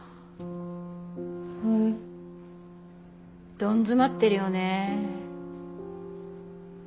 どん詰まってるよね。